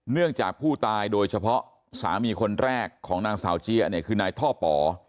เนื่องจากผู้ตายโดยเฉพาะสามีคนแรกของนางสาวเจี๊ยเนี่ยคือนายท่อป่อ